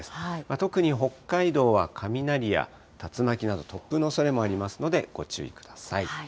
特に北海道は雷や竜巻など、突風のおそれもありますので、ご注意ください。